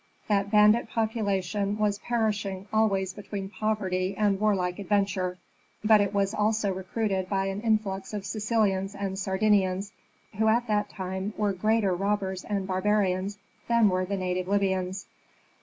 That bandit population was perishing always between poverty and warlike adventure; but it was also recruited by an influx of Sicilians and Sardinians, who at that time were greater robbers and barbarians than were the native Libyans.